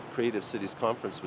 chúng ta có một nền kết quả